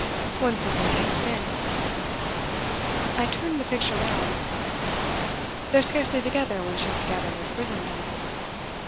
One simply takes it in." I turned the picture round. "They're scarcely together when she's together with Brissenden."